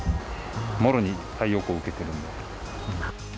もろに太陽光受けてるので。